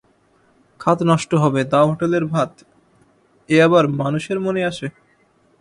খাত নষ্ট হবে তাও হোটেলের ভাত, এ আবার মানুষের মনে আসে?